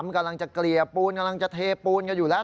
มันกำลังจะเกลี่ยปูนกำลังจะเทปูนกันอยู่แล้ว